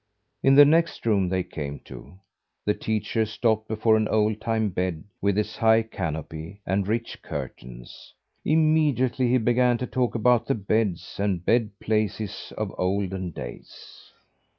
In the next room they came to, the teacher stopped before an old time bed with its high canopy and rich curtains. Immediately he began to talk about the beds and bed places of olden days.